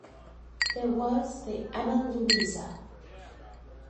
There was the Emma Louisa.